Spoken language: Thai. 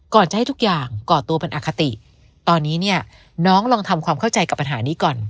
จะให้ทุกอย่างก่อตัวเป็นอคติตอนนี้เนี่ยน้องลองทำความเข้าใจกับปัญหานี้ก่อน